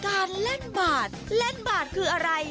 การเล่นบาทเล่นบาทคืออะไร